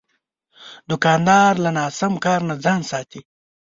دوکاندار له ناسم کار نه ځان ساتي.